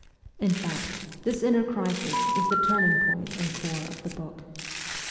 In fact, this inner crisis is the turning point and the core of the book.